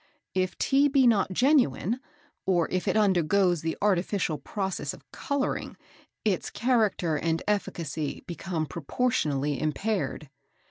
If Tea be not genuine, or if it undergoes the artificial process of colouring, its character and efficacy become proportionately impaired.